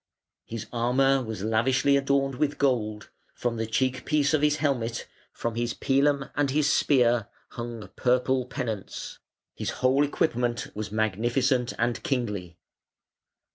His armour was lavishly adorned with gold: from the cheek piece of his helmet, from his pilum and his spear hung purple pennants; his whole equipment was magnificent and kingly.